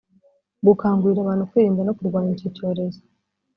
Gukangurira abantu kwirinda no kurwanya icyo cyorezo